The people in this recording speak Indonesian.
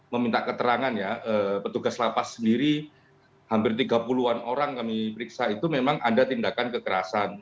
meminta keterangan ya petugas lapas sendiri hampir tiga puluh an orang kami periksa itu memang ada tindakan kekerasan